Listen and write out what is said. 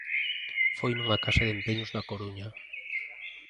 Foi nunha casa de empeños da Coruña.